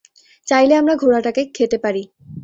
চাইলে আমরা ঘোড়া টাকে খেতে পারি।